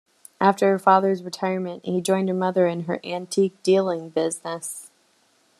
After her father's retirement, he joined her mother in her antique dealing business.